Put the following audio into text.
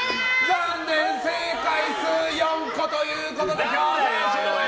残念、正解数４個ということで強制終了！